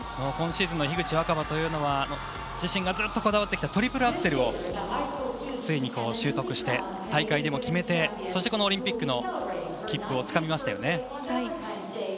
今シーズンの樋口新葉は自身がずっとこだわってきたトリプルアクセルをついに習得して大会でも決めてこのオリンピックの切符をつかみました。